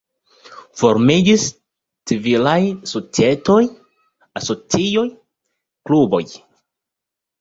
Formiĝis civilaj societoj, asocioj, kluboj.